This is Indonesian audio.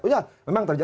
oh ya memang terjadi